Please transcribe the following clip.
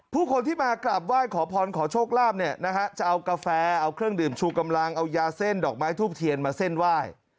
ผู้คนที่มากราบไหว้ขอพรขอโชคลาภเนี่ยนะฮะจะเอากาแฟเอาเครื่องดื่มชูกำลังเอายาเส้นดอกไม้ทูบเทียนมาเส้นไหว้